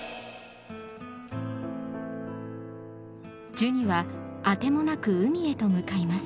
ジュニは当てもなく海へと向かいます。